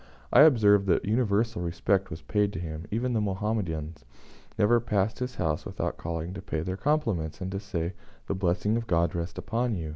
I observed that universal respect was paid to him. Even the Mohammedans never passed his house without calling to pay their compliments, and to say, "The blessing of God rest on you."